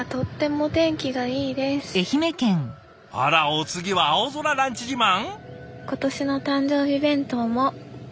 あらお次は青空ランチ自慢？